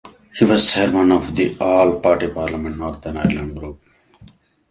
He was Chairman of the All Party Parliamentary Northern Ireland Group.